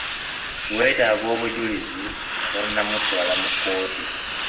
Wetaaga obujulizi nga tonnamutwala mu kkooti.